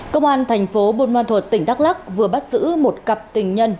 công an thành phố buôn ma thuật tỉnh đắk lắc vừa bắt giữ một cặp tình nhân